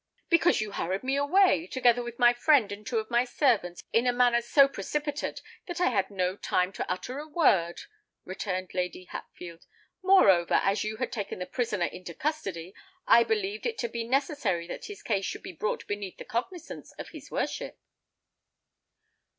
"Because you hurried me away, together with my friend and two of my servants, in a manner so precipitate that I had no time to utter a word," returned Lady Hatfield. "Moreover, as you had taken the prisoner into custody, I believed it to be necessary that his case should be brought beneath the cognizance of his worship."